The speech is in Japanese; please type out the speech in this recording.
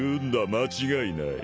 間違いない。